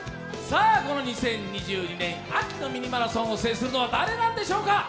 この２０２２年秋の「ミニマラソン」を制するのは誰なんでしょうか。